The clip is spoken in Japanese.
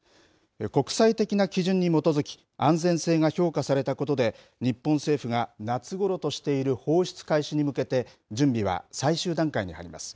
国際的な基準に基づき、安全性が評価されたことで、日本政府が夏ごろとしている放出開始に向けて、準備は最終段階に入ります。